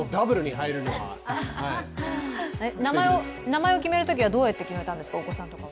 お子さんの名前を決めるときはどうやって決めたんですか？